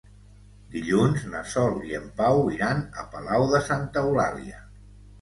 Dilluns na Sol i en Pau iran a Palau de Santa Eulàlia.